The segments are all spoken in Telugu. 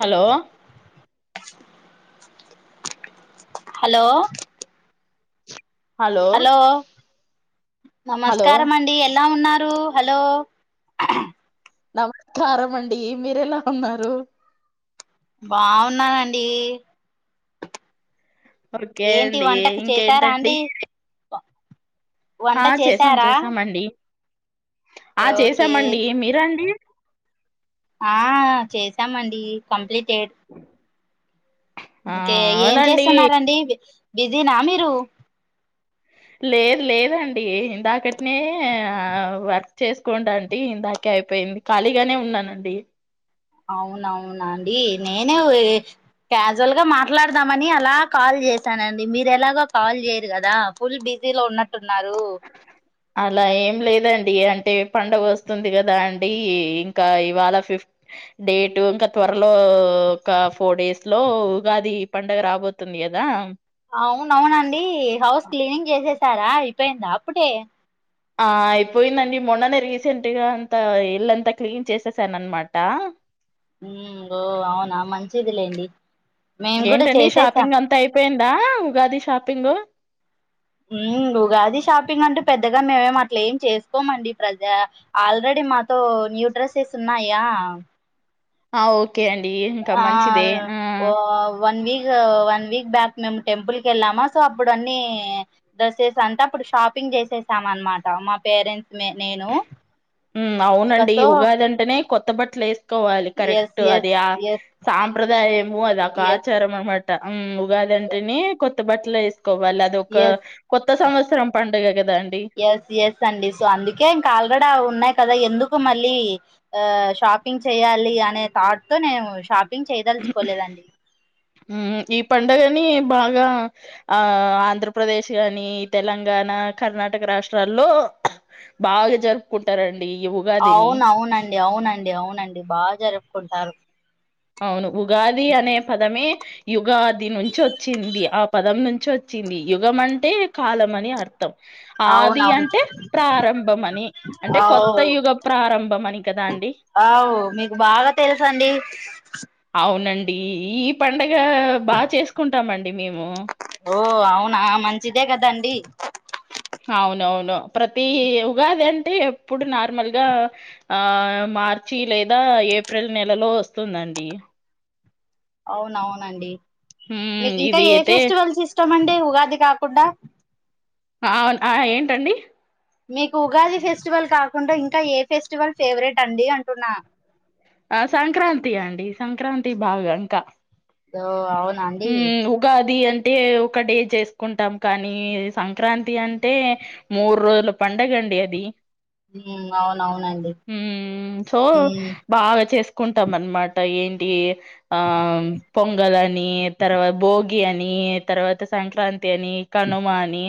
హలో హలో హలో హలో నమస్కారమండి ఎలా ఉన్నా రూ హలో నమస్కారమండీ మీరెలా ఉన్నారు బాగున్నానండీ ఓకే ఏంటి అండి వంటకు చేసారా ఇంకేంటండి అండి వంట ఆ చేసాం చేసారా చేసామండి ఆ ఓకే చేసామండి మీరండి ఆ చేసామండి కంప్లీటెడ్ ఆ ఒకే ఏం అవునండి చేస్తున్నండి బి బిజీనా మీరు లేదు లేదండి ఇందాకట్నే ఆ వర్క్ చేస్కోటాంటి ఇందాకే అయిపో ఇంది ఖాళీగానే ఉన్నానండి అవునవునాండి నేనే క్యాజువల్ గా మాట్లాదామని అలా కాల్ చేసానండి మీరెలాగో కాల్ చేయరు కదా ఫుల్ బి జిలో ఉన్నట్టున్ అలా ఏం లేదం అంటే పండగొస్తుంది కదాండి ఇంకా ఇవాళ ఫిఫ్త్ డేట్ ఇంకా త్వర్లో ఒక ఫోర్ డేస్ లో ఉగాది పండగ రాబోతుంది కదా అవునవునండి హౌస్ క్లీనింగ్ చేసేసారా అయిపోయిందా అప్పుడే ఆ అయిపోయిందండి మొన్ననే రీసెంట్గా అంత ఇల్ళంతా క్లీన్ చేసేసాను అనమాట మ్ ఓ అవునా మంచిదిలేండి మేము కూడా ఏంటండి చేసేసాం షాపింగ్ అంతా అయిపోయిందా ఉగాది షాపింగూ మ్ ఉగాది షాపింగ్ అంటూ పెద్దగా మేమేం అట్లా ఏం చేసుకోమండి ప్రజ ఆల్రెడీ మాతో న్యూ డ్రెస్సెస్ ఉన్నాయా ఆ ఓకే అండి ఇంకా ఆ మంచిదే ఆ వన్ వీక్ ఓ వన్ వీక్ బ్యాక్ మేము టెంపుల్ క్కెళ్ళామా సో అప్పుడు అన్నీ డ్రసెస్ అంట అప్పుడు షాపింగ్ జేసేసాం అన్మాట మా పేరెంట్స్ నే నేను మ్ ఇంకా అవునండి సో ఉగాదంటేనే కొత్త బట్లే స్ కోవాలి ఎస్ కరెక్ట్ ఎస్ అది ఆ ఎస్ సాంప్రదాయము అది అక ఎస్ ఆచారం అన్మాట ఉగాదంటెనే కొత్త బట్టలేస్కోవాలి అదొక ఎస్ కొత్త సంవత్సరం పండగ కద్ ఎస్ ఎస్ అండి సో అందుకే ఇంకా ఆల్రెడీ అవున్నయ్ కదా ఎందుకు మళ్ళీ షాపింగ్ చేయ్యాలి అనే థాట్ తో నేను షాప్ మ్ ఈ పండగ నీ బాగా ఆ ఆంధ్రప్రదేశ్ కానీ తెలంగాణా కర్ణాటక రాష్ట్రాల్ ల్లో బాగా జరుక్పుంటారం అవునవునండి అవునండి అవునండి బాగా జరుపుకుంటారు అవును ఉగాది అనే పదమే యుగాది నుంచ్చొంది ఆ పదం నుంచ్చొంది యుగం అంటే కాలం అని అర్ ర్థం అవును ఆది అవును అంటే ప్రారంభమని అంటే అవు కొత్త యుగ ప్రారంభమని కదా అండి అవ్ మీకు బాగా తెల్సండి అవునండీ ఈ పండగ్ గా బా చేస్కుంటామండి మేమూ ఓ అవునా మంచిదే కదండి అవునవును ప్రతీ ఉగాదంటే ఎప్పుడు నార్మల్గా ఆ మార్చి లేదా ఏప్రిల్ నెలలో వస్తుందండి అవునవునండి ఉమ్ మీకింకా ఇది ఏ అయితే ఫెస్టివల్స్ ఇష్టమండి టే ఉగాది కాకుండా అవున్ ఆ ఏంటండి మీకు ఉగాది ఫెస్టివల్ కాకుండా ఇంక ఏ ఫెస్టివల్ ఫేవరెటండి అంటున్నా ఆ సంక్రాంతి అండి సంక్రాంతి బాగా ఇంకా ఓ అవున్ ఉమ్ ఉగాది అంత టే ఒకడే చేసుకుంటాం కానీ సంక్రాంతి అంటే మూడ్రోజుల పండుగ అండి అది ఉహ్ అవునవ్ ఉమ్ సో బాగా చేసుకుంటామన్మాట ఏం టి ఆ పొంగలని తర్వాత భోగి అని తర్వాత సంక్రాంతని కనుమాని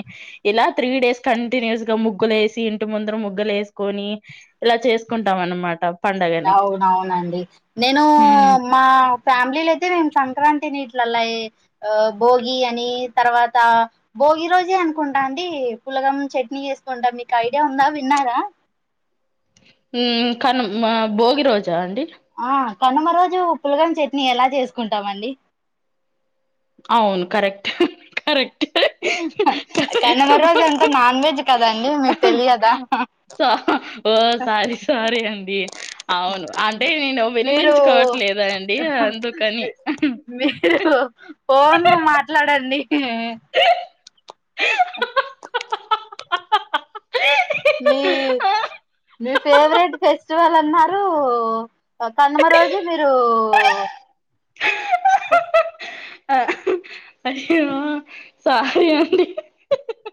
ఇలా త్రీ డేస్ కంటిన్యూస్గా ముగ్గులేసి ఇంటి ముందర ముగ్గులేసుకొని ఇలా చేసుకుంటాం అన్నమాట పండగని అవునవునండి నేను హ్మ్ మా ఫ్యామిలైతే నేను సంక్రాంతి నీట్లలా ఆ భోగి అని తర్వాతా భోగి రోజే అనుకుంటాండి పులగం చట్నీ చేసుకుంటా మీకు ఐడియా ఉందా విన్నారా ఉహ్ కను భోగి రోజాండి ఆ కనుమ రోజు పులగం చట్నీ ఎలా చేసుకుంటామండి అవ్ను కరెక్ట్ కరెక్ట్ కనుమ రోజంత నాన్వెజ్ కదండి మీకు తెలియదా సా ఓ సారీ స్వారి మీరూ వినిపించుకోవట్లేదా అండి అందుకని మీరు ఫోను మాట్లాడండి మీ మీ ఫేవరెట్ ఫెస్టివలన్నారు కనుమ రోజు మీరూ అయ్యో సారి అండి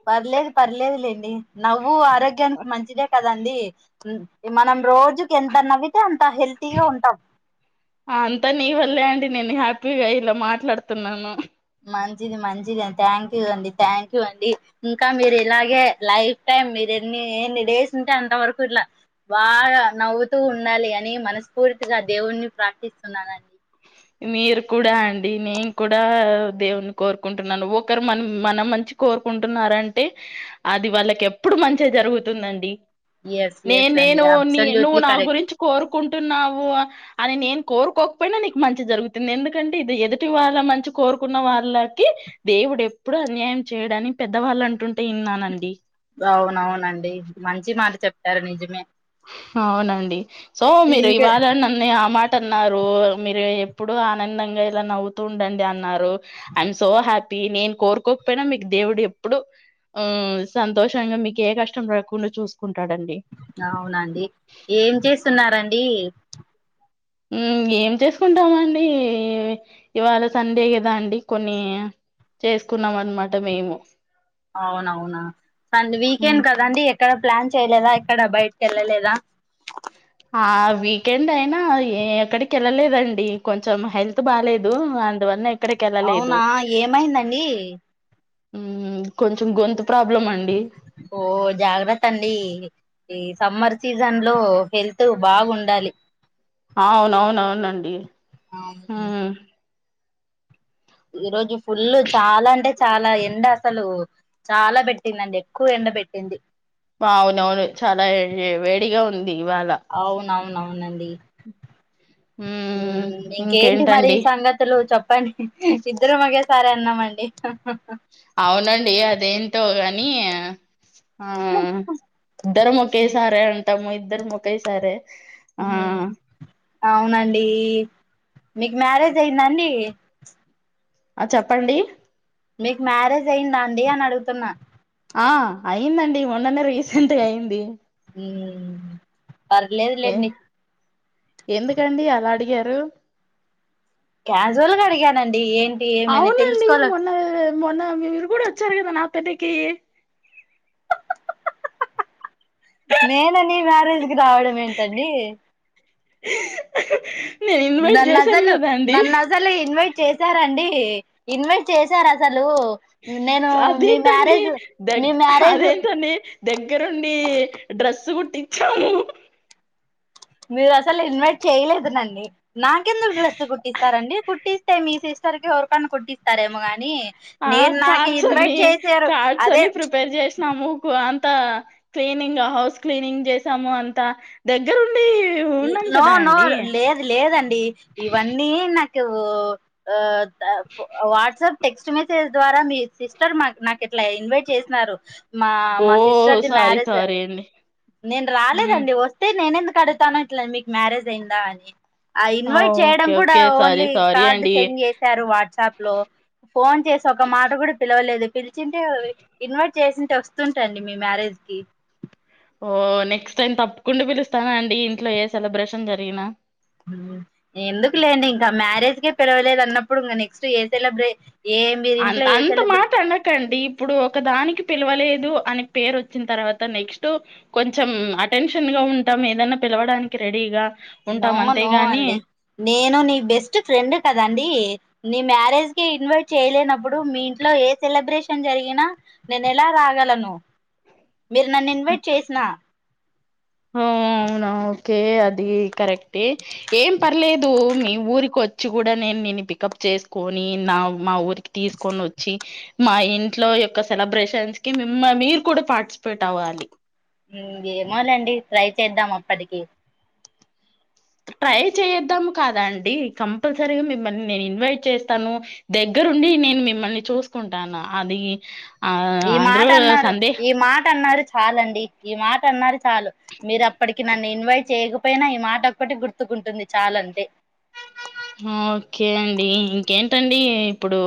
పర్లేదు పర్లేదులేండి నవ్వు ఆరోగ్యానికి మంచిదే కదండి మనం రోజుకేంత నవ్వితే అంత హెల్తీగా ఉంటాం అంతా నీ వల్లే అండి నేను హ్యాపీగా ఇలా మాట్లాడుతున్నాను మంచిది మంచిదండి థ్యాంక్ యూ అండి థ్యాంక్ యూ అండి ఇంకా మీరు ఇలాగే లైఫ్ టైం మీరు ఎన్ని ఏన్నిడేసుంటే అంత వరకిట్లా బాగ నవ్వుతూ ఉండాలి అని మనస్ఫూర్తిగా దేవుణ్ణి ప్రార్థిస్తున్నానండి మీరు కూడా అండి నేను కూడా దేవుని కోరుకుంటున్నాను ఒకరు మనం మన మంచి కోర్కుంటున్నారంటే అది వాళ్ళకి ఎప్పుడు మంచే జరుగుతుందండి ఎస్ నే ఎస్ అండి నేను నీ నువ్వు అబ్సల్యూట్లీ నా కరెక్ట్ గురించ్కోరుకు కుంటున్నావు అని నేను కోర్కోకపోయినా మంచి జరుగుతుంది ఎందుకంటే ఇది ఎదుటి వాళ్ళ మంచి కోరుకున్న వాళ్ళకి దేవుడు ఎప్పుడు అన్యాయం చేయడాని పెద్దవాళ్ళంటు అవునవునండి మంచి మంచి మాట చెప్పారు నిజమే అవ్నండి సో మీరు ఇంకే ఇవాళ్ళ నన్నే ఆ మాట అన్నారు మీరు ఎప్పుడు ఆనందంగా ఇలా నవ్వుతూ ఉండండంన్నారు ఐయం సో హ్యాపీ నేను కోరుకో పోయ్నా మీకు దేవుడేప్పుడు ఆ సంతోషంగా మీకు ఏ కష్టం రాకుండా చూసుకుంట అవ్నండి ఏం చేస్తున్నారండి ఉహ్ ఏం చేసుకుంటామండి ఇవాళ్ళ సండే గదా అండి కొన్ని చేసుకున్నామన్నమాట మేము అవ్నవునా స ఉమ్, వీకెండ్కదండి ఎక్కడ ప్లాన్ చెయలేదా ఎక్కడ బయటకి వెళ్లలేద ఆ వీకెండ్ అయినా ఏక్కడికి వెళ్లలేదండి కొంచెం హెల్త్ బాలేదు అందువలన అవునా ఏమైందండి ఉమ్ కొంచెం గొంతు ప్రాబ్లం అండి ఓ జాగ్రత్తండి ఈ సమ్మర్ సీజన్ లో హెల్త్ బాగుండాలి అవునవునవునండి అవును. ఉమ్ ఈ రోజు ఫుల్ చాలా అంటే చాలా ఎండ అసలు చాలా పెట్టిందండి ఎక్కువ ఎండ పెట్టింది అవునవును చాలా ఎ వేడిగా ఉంది ఇవాళ అవునవునవునండి ఉమ్ ఇంకేంటి మరి సంగతులు చెప్పండి ఇద్దరం ఒకేసార న్నమండి అవునండి అదేంటో గానియ ఆ ఇద్దరం ఒకేసారాంటమ్ ఇద్దరుము ఓకేసారే ఉహ్మ్ అవునండి మీకు మ్యారేజ్ అయిందండి ఆ చెప్పండి మీకు మ్యారేజ్ అయిందాండి అని అడుగుతున్నా ఆ అయిందండి మొన్ననే రీసెంట్గా అయింది ఉమ్ పర్లేదులేద్ ఏ లేండి ఎందుకండి అలా అడిగారు క్యాజువల్ గా అడిగానండి ఏంటి ఏమని అవునండి తెలుసుకోవాల మొన్న మొన్న మి మీరు కూడా వచ్చారు కదా నాకు ప్పటికి నేన నీ మ్యారేజ్ కి రావడం ఏంటండి నేను ఇన్వైట్ దన్న చేశాను అసలు కదా అండి నన్ను అసలు ఇన్వైట్ చేశారండి ఇన్వైట్ చేశారాస అదేంటండి మ్యారేజ్ దగ్గ మీ మ్యారేజ్ అదేంటండి దగ్గరుండి డ్రెస్సు కుట్టిచ్చాము మీరు అసలు ఇన్వైట్ చేయలేదు నన్ని నాకెందుకు డ్రెస్సు కుట్టిస్తారండి కుట్టిస్తే మీ సిస్టర్ కి ఎవరికన్న కుట్టి స్తారేమో గాని ఆ నేను నాక్ కార్డ్స్ ఇన్వైట్ అని చేశారు అదే త క్లీనింగ్ హౌస్ క్లీనింగ్ జేసాము అంతా దగ్గర్ నో నో లేదు లేదండి ఇవన్నీ నాక్ సో అ ద పు వాట్సాప్ టెక్స్ట్ మెసేజ్ ద్వారా మీ సిస్టర్ మాక్ నాకు ఇట్లా ఇన్వైట్ చేసినారు మా ఓ మా సిస్టర్ది సారీ మ్యారేజ్ సారీ అండి నేను మ్మ్. రాలేదండి వస్తే నేనెందుకు అడుగుతాను ఇట్ల మీకు మ్యారేజ్ అయిందా అని ఆ ఇన్వైట్ చేయడం ఓకే కూడా okay sorry only sorry card అండి సెండ్ చేసారు వాట్సాప్ లో ఫోన్ చేసి ఒక మాట కూడా పిలవలేదు పిలిచుంటే ఇన్వైట్ చేసుంటే వస్తుంటండి మీ మ్యారేజ్ కి ఓ నెక్స్ట్ టైం తప్పకుండా పిలుస్తానండి ఇంట్లో ఏ సెలబ్రేషన్ జరిగిన ఎందుకు లేండి ఇంకా మ్యారేజ్ కే పిలవలేదన్నపుడు ఇంగా నెక్స్ట్ ఏ సెలబ్రే ఏ మీరు అంత ఇంట్లో ఏ అంత సెలబ్రే మాట అనకండి ఇప్పుడు ఒక దానికి పిలవలేదు అని పేరు వచ్చిన్ తర్వాత నెక్స్ట్ కొంచెం అటెన్షన్ గా ఉంటాం ఏదన్నా పిలవడానికి రెడీగా నో ఉంటాం నో అంతేగాని అండి నేను నీ బెస్ట్ ఫ్రెండ్ కదండి. నీ మ్యారేజ్కే ఇన్వైట్ చేయలేనప్పుడు మీ ఇంట్లో ఏ సెలబ్రే షన్ జరిగినా నేనెలా రాగలను మీరు నన్ ఇన్వైట్ చేసిన హో అవునా ఓకే అది కరెక్టె ఏం పర్లేదు మీ ఊరిక్కోచ్చి గూడా నేన్ నేని పికప్ చేసుకొని నా మా ఊరికి తీసుకొని ఓచ్చి మా ఇంట్లో ఇయొక్క సెలబ్రేషన్స్ కి మిమ్ మీరు కూడా పార్టిసిపేట్ అవ్వాలి ఇంగేమోలేండి ట్రై చేద్దాం అప్పటికి ట్రై చేద్దాం కదండి కంపల్సరీగ మిమ్మల్ని నేను ఇన్వైట్ చేస్తాను. దగ్గ దగ్గరుండి నేన్ మిమ్మల్ని చూస్కుంటాను అది ఆ ఈ అందులో మాట అన్నారు సందే ఈ మాట అన్నారు చాలండి ఈ మాట అన్నారు చాలు మీరప్పటికి నన్ ఇన్వైట్ చేయకపోయినా ఈ మాట ఒక్కటి గుర్తు ఉంటుంది చాలంతే ఓకే అండి ఇంకేంటండి ఇప్పుడు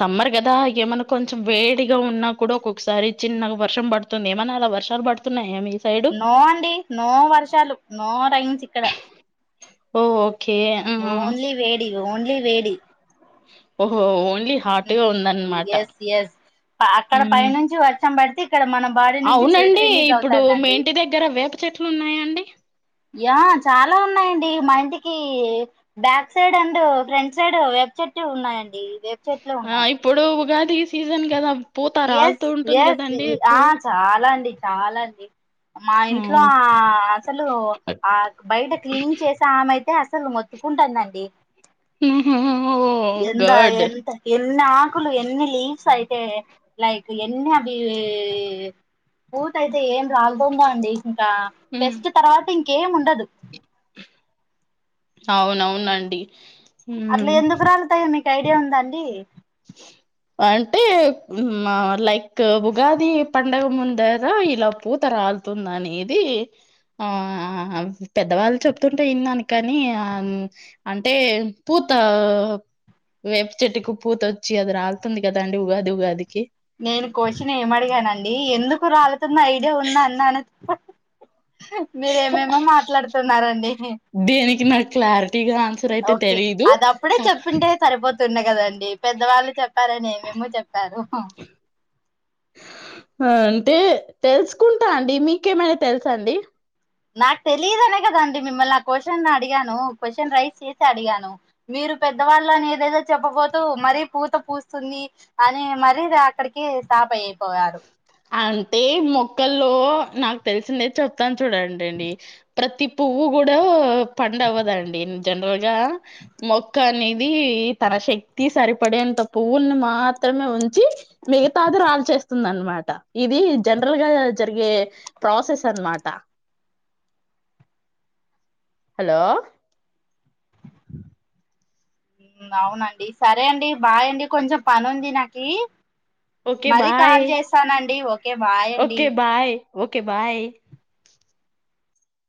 సమ్మర్ గదా ఏమన్న కొంచ వేడిగా ఉన్నా కూడా ఒక్కోక్సారి చిన్నగ వర్షం బడ్తుంది ఏమన్నా అలా వర్షాలు బడ్తున్నాయా మీ సైడు నో అండి నో వర్షాలు నో రైన్స్ ఇక్కడ ఓ ఓకే ఆ ఓన్లీ వేడి ఓన్లీ వేడి ఓ ఓన్లీ హాట్గ ఉందన్నమాట. ఎస్ ఎస్ అక్కడ పై ఉమ్. నుంచి వర్షం బడ్తె ఇక్కడ మన బాడీ నుంచి స్వెట్ అవునండి రిలీజ్ ఇప్పుడు మీ అవుతాందండి. ఇంటి దగ్గర వేప చెట్లు ఉన్నాయా అండి యా చాలా ఉన్నాయండి మా ఇంటికీ back side and front side వె వేప చెట్టే ఉన్నాయండీ వెప చెట్లే ఉన్నాయి. ఈ సీజన్ గదాం ఎస్ ఎస్ ఆ చాలా అండి చాలా మా ఇంట్లో ఆ అసలు ఆ బయట క్లీనింగ్ చేసే ఆమై తే అసలు మొత్తుకుంటాందండి. ఉమ్ హ్ వో గాడ్ ఎన్న ఆకులు ఎన్ని లీవ్స్ అయితే లైక్ ఎన్ని అవి పూత అయితే ఏం రాల్తుందో అండి ఇంకా టెస్ట్ తర్వాత ఇంకేం ఉండదు. అవునవునండి. అట్ల మ్మ్. ఎందుకు రాల్తయో నీక్ ఐడియా ఉందండి. అంటే మా లైక్ ఉగాది పండగ ముందర ఇలా పూత రా రాల్తుంద్ అనేది ఆ పెద్దవాళ్ళు చెప్తుంటే ఇన్నాను కనీ ఆ అంటే పూ తా వేప్ చెట్టుకు పూతొచ్చి అది రాల్తుంది కదండి ఉగాది ఉగాదికి నేను క్వశ్చన్ ఏం అడిగానండి ఎందుకు రాల్తుంద్ ఐడియా ఉందా అన్నాను. మీరేమేమో మాట్లాడ్తున్నారండి. దేనికి నాకు క్లారిటీగా ఆన్సర్ అయితే ఓకే తెలీదు అదప్పుడే కా చెప్పింటే సరిపోతుండే కదండి పెద్దవాళ్ళు చెప్పారని ఏమేమో చెప్పారు. హ అంటే తెల్సుకుంటా అండి మీకేమైనా తెల్సండి నాక్ తెలీదనే కదండి మిమ్మల్ని ఆ క్వశ్చన్ అడిగాను క్వశ్చన్ రైస్ చేసి అడిగాను. మీర్ రు పెద్దవాళ్ళు అని ఏదేదో చెప్పబోతూ మరీ పూత పూస్తుంది అని మరీ అక్కడ్కి పాప ఇపో గాదు అంటే మొక్కల్లో నాక్ తెల్సిందే చెప్తాను చూడండండి. ప్రతి పువ్వు గుడా పండవ్వదండి. జనరల్ గా మొక్క అనేది తన శక్తి సరిపడే అంత పువ్వుల్ని మాత్ర మాత్రమే ఉంచి మిగతాది రాల్ చేస్తుందన్నమాట ఇది జనరల్ గా జరిగే ప్రాసెస్ అనమాట హాలో అవునండి సరే అండి బాయండి కొంచెం పనుంది నాకీ ఓకే మరి బాయ్ కాల్ చేస్తానండి ఓకే బాయ్ అండి. Okay bye okay bye